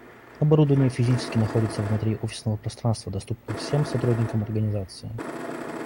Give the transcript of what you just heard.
Оборудование физически находится внутри офисного пространства, доступное всем сотрудникам организации